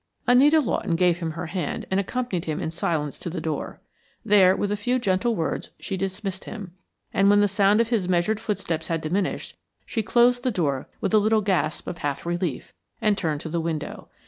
Anita Lawton gave him her hand and accompanied him in silence to the door. There, with a few gentle words, she dismissed him, and when the sound of his measured footsteps had diminished, she closed the door with a little gasp of half relief, and turned to the window.